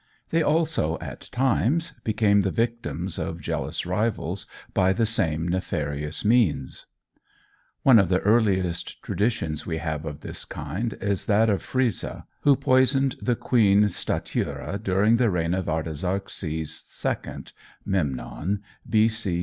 They also, at times, became the victims of jealous rivals by the same nefarious means. One of the earliest traditions we have of this kind is that of Phrysa, who poisoned the queen Statira during the reign of Artaxerxes II (Mnemon), B.C.